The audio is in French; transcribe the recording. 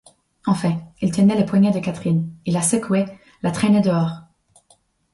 Enfin, il tenait le poignet de Catherine, il la secouait, la traînait dehors.